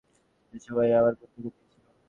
সে সময়ই ও আমায় বুদ্ধিটা দিয়েছিল।